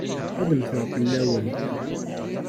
Ad mmteɣ fell-awen.